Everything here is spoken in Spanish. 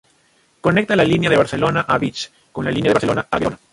Conecta la línea de Barcelona a Vich con la línea de Barcelona a Gerona.